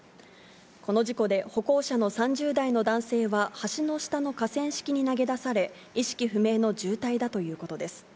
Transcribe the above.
この事故で、歩行者の３０代の男性は橋の下の河川敷に投げ出され、意識不明の重体だということです。